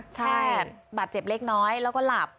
ใช่บาดเจ็บเล็กน้อยแล้วก็หลับ